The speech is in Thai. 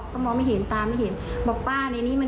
เค้าก็พูดเยอะก็ไม่คืน